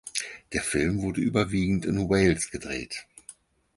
Der Film wurde überwiegend in Wales gedreht.